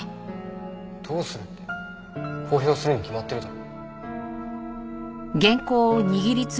どうするって公表するに決まってるだろ。